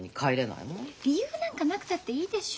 理由なんかなくたっていいでしょ